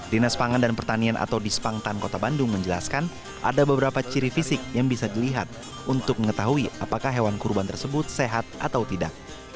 dinas pangan dan pertanian atau dispangtan kota bandung menjelaskan ada beberapa ciri fisik yang bisa dilihat untuk mengetahui apakah hewan kurban tersebut sehat atau tidak